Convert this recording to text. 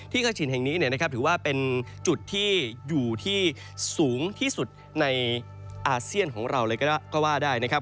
กระถิ่นแห่งนี้ถือว่าเป็นจุดที่อยู่ที่สูงที่สุดในอาเซียนของเราเลยก็ว่าได้นะครับ